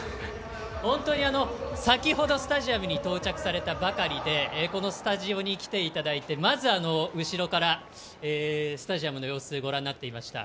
本当に先程スタジアムに到着されたばかりでこのスタジオに来ていただいてまず後ろからスタジアムの様子をご覧になっていました。